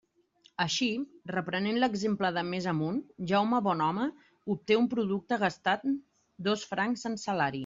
Així, reprenent l'exemple de més amunt, Jaume Bonhome obté un producte gastant dos francs en salari.